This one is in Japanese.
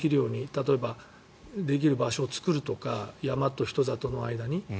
例えば、できる場所を作るとか山と人里の間に。